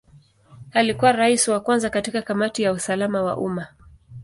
Alikuwa Rais wa kwanza katika Kamati ya usalama wa umma.